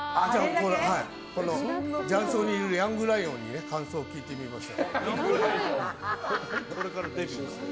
雀荘にいるヤングライオンに感想を聞いてみました。